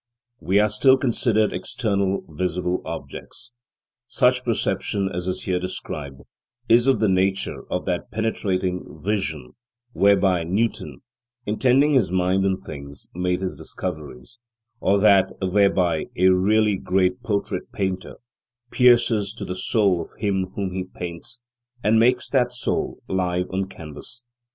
We are still considering external, visible objects. Such perception as is here described is of the nature of that penetrating vision whereby Newton, intending his mind on things, made his discoveries, or that whereby a really great portrait painter pierces to the soul of him whom he paints, and makes that soul live on canvas.